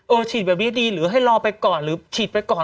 ฉีดแบบนี้ดีหรือให้รอไปก่อนหรือฉีดไปก่อน